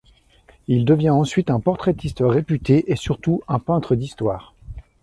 Il devient ensuite un portraitiste réputé et surtout un peintre d’histoire.